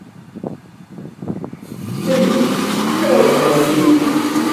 Ttxil-k, err ddehn-nnek.